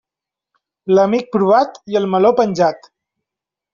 L'amic provat i el meló penjat.